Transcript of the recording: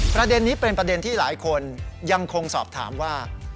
ประเด็นนี้เป็นประเด็นที่หลายคนยังคงสอบถามว่า